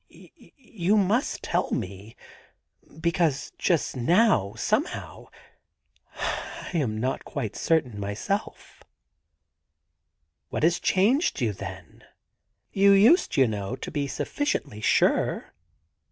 *You must tell me, be cause just now, somehow, I am not quite certain myself.' * What has changed you, then ? You used, you know, to be sufficiently sure. ..